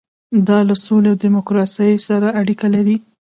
دا له سولې او ډیموکراسۍ سره اړیکه لري.